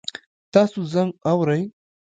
تاسو زنګ اورئ؟